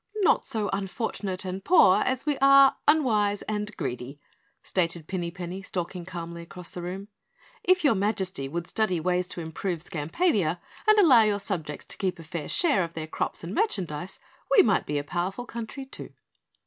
"Not so unfortunate and poor as we are unwise and greedy," stated Pinny Penny, stalking calmly across the room. "If your Majesty would study ways to improve Skampavia and allow your own subjects to keep a fair share of their crops and merchandise, we might be a powerful country, too."